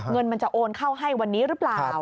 เงินมันจะโอนเข้าให้วันนี้หรือเปล่า